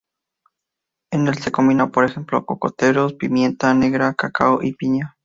En el se combina por ejemplo cocoteros, pimienta negra, cacao y piña.